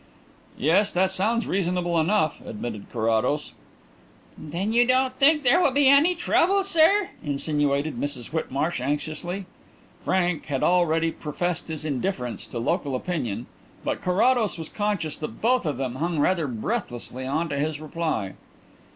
"Yes; that sounds reasonable enough," admitted Carrados. "Then you don't think there will be any trouble, sir?" insinuated Mrs Whitmarsh anxiously. Frank had already professed his indifference to local opinion, but Carrados was conscious that both of them hung rather breathlessly on to his reply.